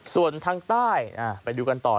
ส่วนทางใต้ไปดูกันต่อ